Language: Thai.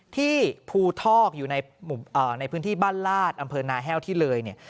ที่ภูทอกอยู่ในพื้นที่บ้านลาดอำเภอนาแห้วที่เลยเนี่ย